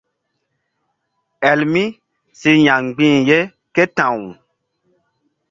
Elmi si ya̧ mgbi̧h ye ké ta̧w.